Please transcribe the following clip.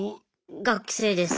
学生です。